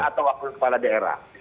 atau wakil kepala daerah